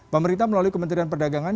pemerintah melalui kementerian perdagangan